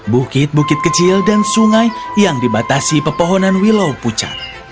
bukit bukit kecil dan sungai yang dibatasi pepohonan wilau pucat